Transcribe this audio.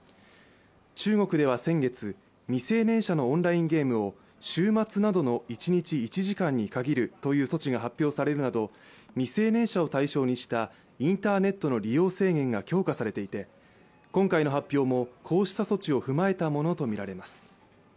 中国では先月、未成年者のオンラインゲームを週末などの一日１時間に限るという措置が発表されるなど未成年者を対象にしたインターネットの利用制限が強化されていて、今回の発表もこうした措置を踏まえたものとみられます。